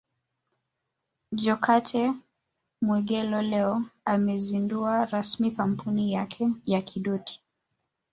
Jokate Mwegelo leo ameizundua rasmi kampuni yake ya Kidoti